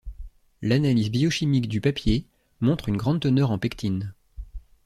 L'analyse biochimique du papier montre une grande teneur en pectine.